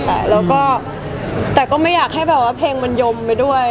แล้วก็แต่ก็ไม่อยากให้แบบว่าเพลงมันยมไปด้วย